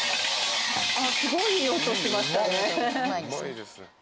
すごいいい音しましたね。